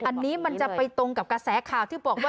อันนี้มันจะไปตรงกับกระแสข่าวที่บอกว่า